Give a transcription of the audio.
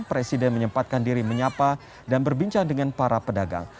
presiden menyempatkan diri menyapa dan berbincang dengan para pedagang